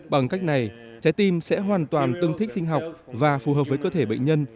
bằng cách này trái tim sẽ hoàn toàn tương thích sinh học và phù hợp với cơ thể bệnh nhân